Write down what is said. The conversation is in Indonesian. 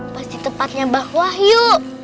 pasti tempatnya mbak wayu